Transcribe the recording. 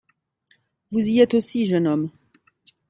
Vous y êtes aussi, jeune homme.